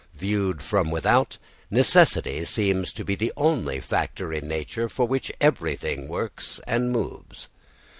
Viewed from without, necessity seems to be the only factor in nature for which everything works and moves.